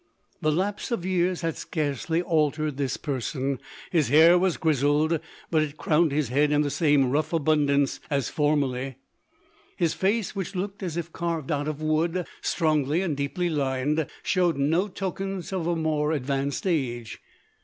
The lapse of years had scarcely altered this person. His hair was grizzled, but it crowned his head in the same rough abundance as for merly. 1 1 is face, which looked as if carved out 254 LODORE. of wood, strongly and deeply lined, showed no tokens of a more advanced age.